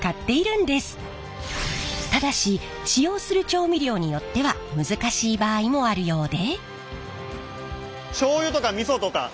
ただし使用する調味料によっては難しい場合もあるようで。